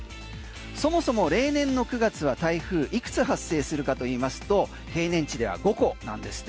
そもそも例年の９月は台風いくつ発生するかといいますと平年値では５個なんですね。